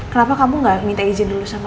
kenapa kamu gak minta izin dulu sama kami berdua